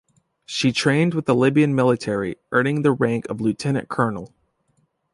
She trained with the Libyan military, earning the rank of lieutenant colonel.